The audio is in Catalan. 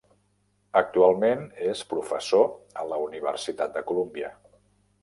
Actualment és professor a la Universitat de Colúmbia.